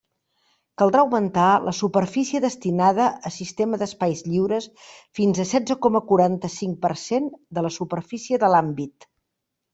Caldrà augmentar la superfície destinada a sistema d'espais lliures fins al setze coma quaranta-cinc per cent de la superfície de l'àmbit.